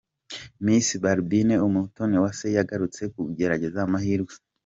Miss Barbine Umutoniwase yagarutse kugerageza amahirwe.